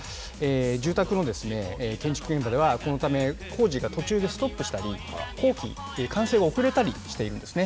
住宅の建築現場では、このため、工事が途中でストップしたり、工期、完成が遅れたりしているんですね。